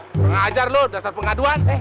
pengajar lo dasar pengaduan